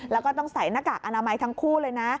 แล้วก็ต้องใส่หน้ากากอนามัยทั้งคู่เลยนะ